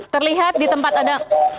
terlihat di tempat anda